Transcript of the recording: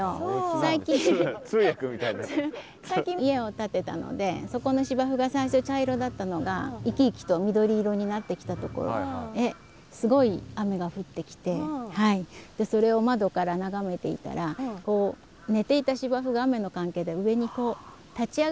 最近家を建てたのでそこの芝生が最初茶色だったのが生き生きと緑色になってきたところへすごい雨が降ってきてそれを窓から眺めていたらすごいね。